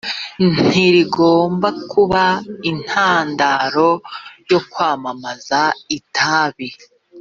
ntirigomba kuba intandaro yo kwamamaza itabi